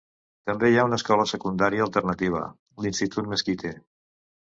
També hi ha una escola secundària alternativa, l'institut Mesquite.